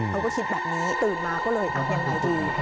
เขาก็คิดแบบนี้ตื่นมาก็เลยเอายังไงดี